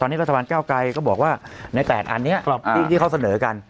ตอนนี้รัฐบาลก้าวไกรก็บอกว่าใน๘อันนี้ที่เขาเสนอกัน